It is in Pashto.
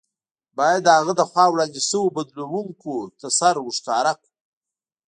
باید د هغه له خوا وړاندې شویو بدلوونکو ته سر ورښکاره کړو.